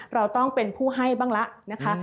เราต้องเป็นผู้ให้บ้างละ